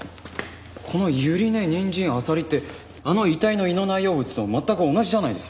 この「百合根人参アサリ」ってあの遺体の胃の内容物と全く同じじゃないですか。